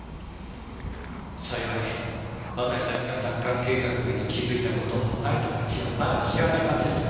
幸い私たちが奪還計画に気付いた事を成田たちはまだ知らないはずです。